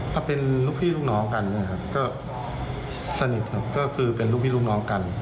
ก็เป็นลูกพี่ลูกน้องกันนะครับก็สนิทครับก็คือเป็นลูกพี่ลูกน้องกัน